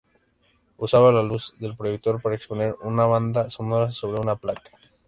Usaba la luz del proyector para exponer una banda sonora sobre una placa.